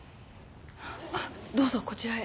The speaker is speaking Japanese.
あっどうぞこちらへ。